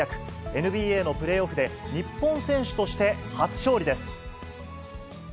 ＮＢＡのプレーオフで、日本選手として初勝利です。